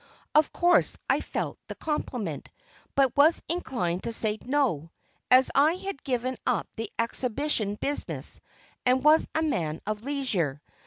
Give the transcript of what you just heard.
Of course I felt the compliment, but was inclined to say "no," as I had given up the exhibition business and was a man of leisure.